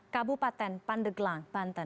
kabupaten pandeglang banten